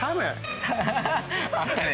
あったね。